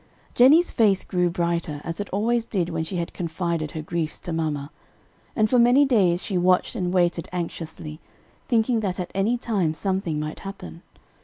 Jennie's face grew brighter, as it always did when she had confided her griefs to mamma, and for many days she watched and waited anxiously, thinking that at any time something might happen.